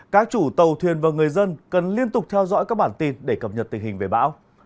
các chủ tàu thuyền và người dân cần liên tục theo dõi các bản tin để cập nhật tình hình về bão